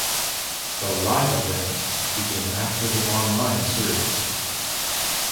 The "Live Events" begin after the Online Series.